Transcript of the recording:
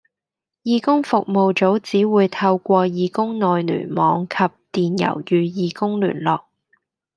義工服務組只會透過義工內聯網及電郵與義工聯絡